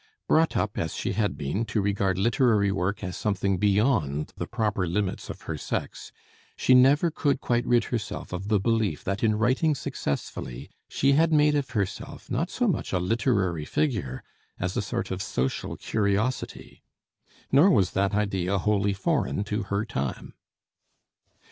Brought up as she had been to regard literary work as something beyond the proper limits of her sex, she never could quite rid herself of the belief that in writing successfully, she had made of herself not so much a literary figure as a sort of social curiosity. Nor was that idea wholly foreign to her time.